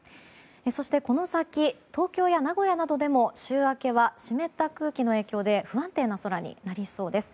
そして、この先東京や名古屋などでも週明けは湿った空気の影響で不安定な空になりそうです。